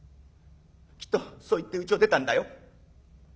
きっとそう言ってうちを出たんだよ。